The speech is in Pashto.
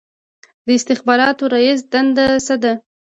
د استخباراتو رییس دنده څه ده؟